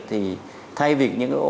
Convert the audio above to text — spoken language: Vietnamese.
thì thay vì những mạng otp